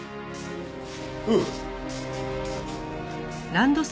おう。